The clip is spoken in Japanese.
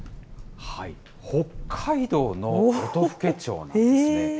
北海道の音更町なんですね。